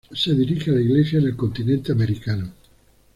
Se dirige a la Iglesia en el continente americano.